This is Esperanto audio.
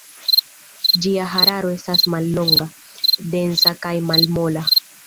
Ĝia hararo estas mallonga, densa kaj malmola.